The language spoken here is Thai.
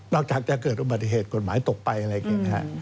จากจะเกิดอุบัติเหตุกฎหมายตกไปอะไรอย่างนี้นะฮะ